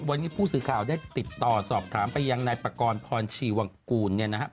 วันนี้ผู้สื่อข่าวได้ติดต่อสอบถามไปยังนายปากรพรชีวังกูลเนี่ยนะครับ